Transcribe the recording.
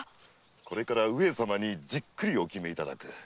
これから上様にじっくりお決めいただく。